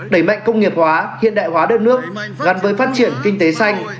đẩy mạnh công nghiệp hóa hiện đại hóa đất nước gắn với phát triển kinh tế xanh